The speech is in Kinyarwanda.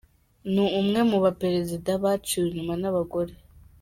Ni umwe mu baperezida baciwe inyuma n’abagore.